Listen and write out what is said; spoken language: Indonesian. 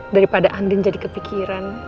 daripada andin jadi kepikiran